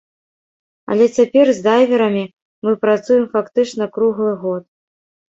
Але цяпер з дайверамі мы працуем фактычна круглы год.